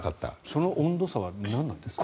その温度差は何なんですか。